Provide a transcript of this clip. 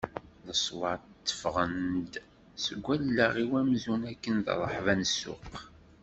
Leṣwat tteffɣen-d seg wallaɣ-iw amzun akken d rreḥba n ssuq.